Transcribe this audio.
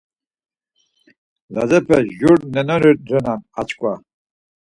Lazepe jur nenoni renan açkva.